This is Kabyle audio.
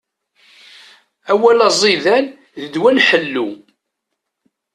Awal aẓidan, d ddwa n ḥellu.